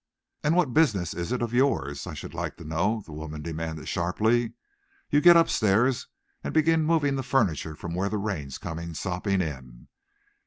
"And what business is it of yours, I should like to know?" the woman demanded sharply. "You get up stairs and begin moving the furniture from where the rain's coming sopping in.